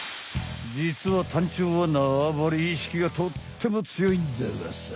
実はタンチョウは縄張り意識がとっても強いんだわさ。